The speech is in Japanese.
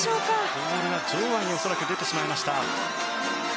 ボールが場外に恐らく出てしまいました。